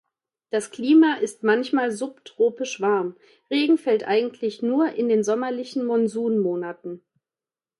Das Klima ist manchmal subtropisch warm; Regen fällt eigentlich nur in den sommerlichen Monsunmonaten.